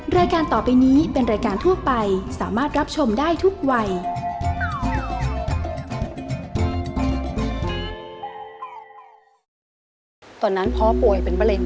รายการต่อไปนี้เป็นรายการทั่วไปสามารถรับชมได้ทุกวัย